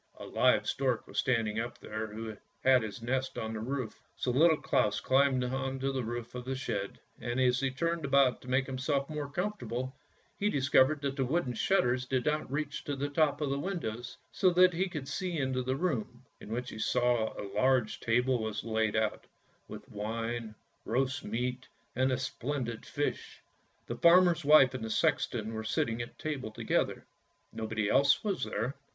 A live stork was standing up there who had his nest on the roof. So Little Claus climbed on to the roof of the shed, and as he turned about to make himself comfortable he discovered that the wooden shutters did not reach to the top of the windows, so that he could see into the room, in which a large table was laid out, with wine, roast meat, and a splendid fish. GREAT CLAUS AND LITTLE CLAUS 147 The farmer's wife and the sexton were sitting at table together, nobody else was there.